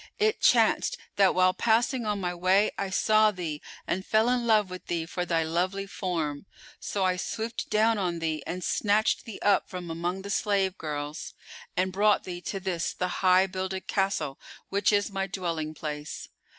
It chanced that while passing on my way I saw thee and fell in love with thee for thy lovely form: so I swooped down on thee and snatched thee up from among the slave girls and brought thee to this the High builded Castle, which is my dwelling place.